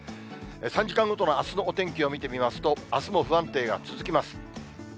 ３時間ごとのあすのお天気を見てみますと、あすも不安定が続きます。